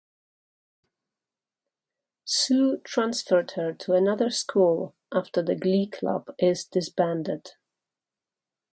Sue transferred her to another school after the glee club is disbanded.